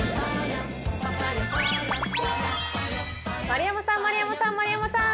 丸山さん、丸山さん、丸山さん。